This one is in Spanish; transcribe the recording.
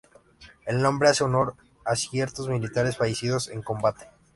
El nombre hace honor a ciertos militares fallecidos en combate.